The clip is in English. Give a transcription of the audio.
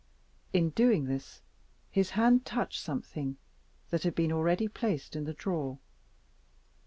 In doing this, his hand touched something that had been already placed in the drawer.